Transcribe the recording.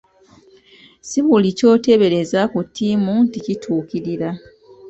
Si buli ky'oteebereza ku ttiimu nti kituukirira.